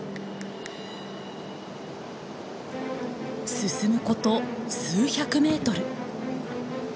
進むこと数百メートル。